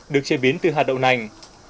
được chế biến từ hạt đậu nành